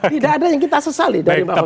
tidak ada yang kita sesali dari mbak bukofifa